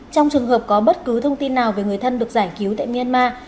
trong trường hợp có bất cứ thông tin nào về người thân được giải cứu tại myanmar